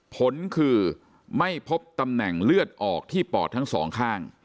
ผลคือไม่พบตำแหน่งเลือดออกที่ปอดทั้งสองข้าง